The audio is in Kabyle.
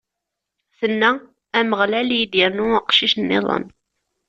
Tenna: Ameɣlal ad yi-d-irnu aqcic-nniḍen!